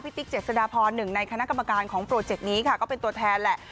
ติ๊กเจษฎาพรหนึ่งในคณะกรรมการของโปรเจกต์นี้ค่ะก็เป็นตัวแทนแหละ